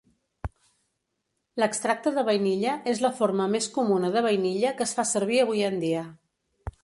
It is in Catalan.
L'extracte de vainilla és la forma més comuna de vainilla que es fa servir avui en dia.